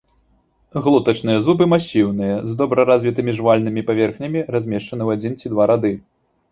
Глотачныя зубы масіўныя, з добра развітымі жавальнымі паверхнямі, размешчаны ў адзін ці два рады.